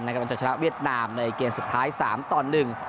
กำลังจะชนะเวียดนามในเกมสุดท้าย๓ตอน๑